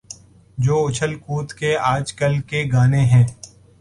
جو اچھل کود کے آج کل کے گانے ہیں۔